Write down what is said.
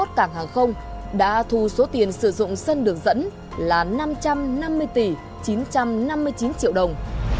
một mươi chín trên hai mươi một cảng hàng không đã thu số tiền sử dụng sân đường dẫn là năm trăm năm mươi tỷ chín trăm năm mươi chín triệu đồng